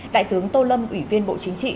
đại tướng tô lâm ủy viên bộ chính trị